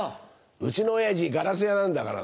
うちの親父ガラス屋なんだから。